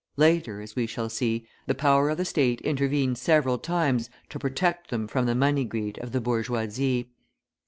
Later, as we shall see, the power of the State intervened several times to protect them from the money greed of the bourgeoisie.